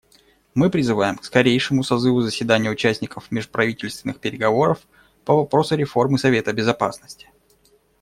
Мы призываем к скорейшему созыву заседания участников межправительственных переговоров по вопросу реформы Совета Безопасности.